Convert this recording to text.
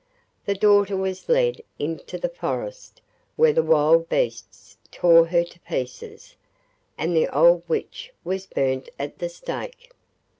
The daughter was led into the forest, where the wild beasts tore her to pieces, and the old witch was burnt at the stake.